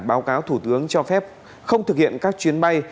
báo cáo thủ tướng cho phép không thực hiện các chuyến bay